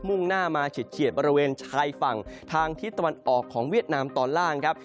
่งหน้ามาเฉียดบริเวณชายฝั่งทางทิศตะวันออกของเวียดนามตอนล่างครับ